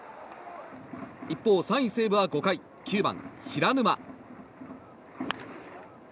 一方、３位、西武は５回９番、平沼。